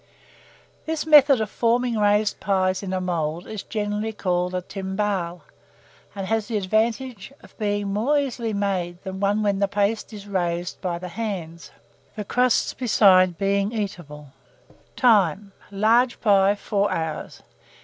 This method of forming raised pies in a mould is generally called a timbale, and has the advantage of being more easily made than one where the paste is raised by the hands; the crust, besides, being eatable. (See coloured plate N 1.) Time. Large pie, 4 hours.